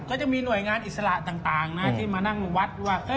ก็จะมีหน่วยงานอิสระต่างนะที่มานั่งวัดว่า